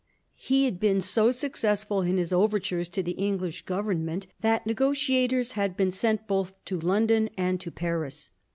He had been so successful in his overtures to the English Government that negotiators had been sent both to London and to Paris.